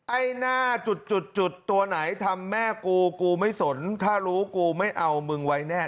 ไอ้หน้าจุดจุดตัวไหนทำแม่กูกูไม่สนถ้ารู้กูไม่เอามึงไว้แน่